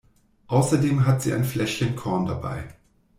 Außerdem hat sie ein Fläschchen Korn dabei.